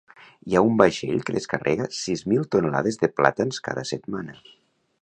Hi ha un vaixell que descarrega sis mil tonelades de plàtans cada setmana